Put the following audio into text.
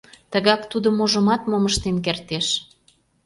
Тегак тудо можымат мом ыштен кертеш...